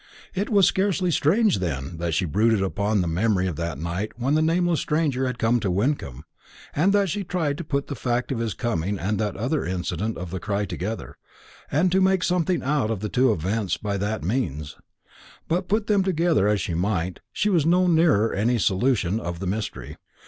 It was scarcely strange, then, that she brooded upon the memory of that night when the nameless stranger had come to Wyncomb, and that she tried to put the fact of his coming and that other incident of the cry together, and to make something out of the two events by that means; but put them together as she might, she was no nearer any solution of the mystery.